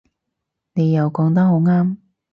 你又講得好啱